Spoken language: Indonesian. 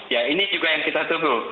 ya ini juga yang kita tunggu